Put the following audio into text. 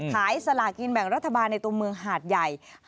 สลากินแบ่งรัฐบาลในตัวเมืองหาดใหญ่